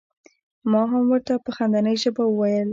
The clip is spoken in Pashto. ما هم ور ته په خندنۍ ژبه وویل.